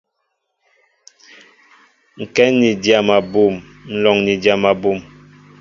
Ŋkɛn ni dyam abum, nlóŋ ni dyam abum.